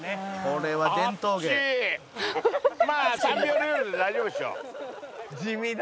まあ３秒ルールで大丈夫でしょ。